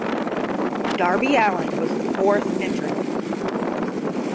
Darby Allin was the fourth entrant.